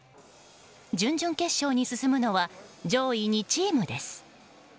準々決勝に進むのは上位２チームです。